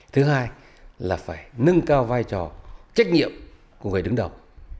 thứ hai là phải nâng cao vai trò trách nhiệm của người đứng đầu